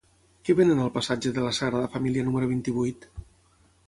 Què venen al passatge de la Sagrada Família número vint-i-vuit?